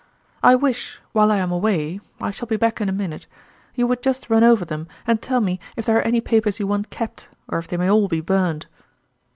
I wish, while I am away I shall be back in a minute you would just run over them, and tell me if there are any papers you want kept, or if they may all be burned."